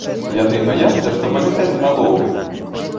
Яны баяцца, што паляцяць галовы.